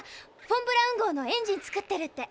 フォン・ブラウン号のエンジン造ってるって。